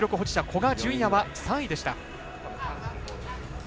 古賀淳也は３位でした。